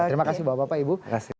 terima kasih bapak bapak ibu